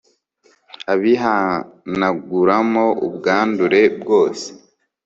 abihanaguramo ubwandure bwose